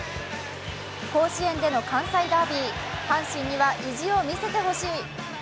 甲子園での関西ダービー、阪神には意地を見せてほしい。